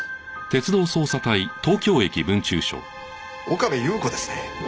岡部祐子ですね？